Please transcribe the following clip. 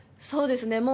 そうですね。